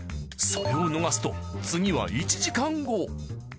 それを逃すと次は１時間後。